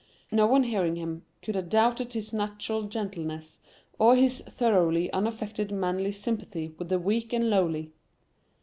No one hearing him could have doubted his natural gentleness, or his thoroughly unaffected manly sympathy with the weak and lowly.